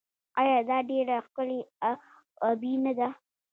آیا دا ډیره ښکلې او ابي نه ده؟